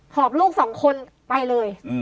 อบลูกสองคนไปเลย